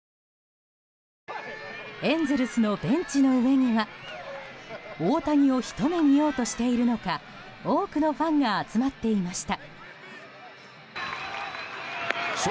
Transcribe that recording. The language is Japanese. エンゼルスのベンチの上には大谷をひと目見ようとしているのか多くのファンが集まっていました。